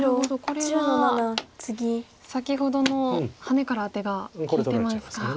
これは先ほどのハネからアテが利いてますか。